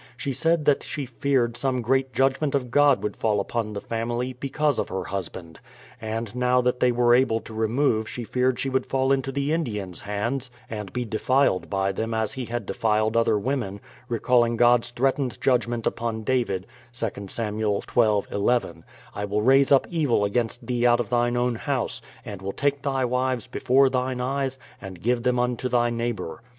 She said that she feared some great judgment of God would fall upon the family, because of her husband; and now that they were about to remove she feared she would fall into the Indians* hands and be defiled by them as he had defiled other women, recalling God's threatened judgment upon David (II Sam. xii, 11): I will raise up evil against thee out of thine own house, and will take thy wives before thine eyes, and give them unto thy neighbour.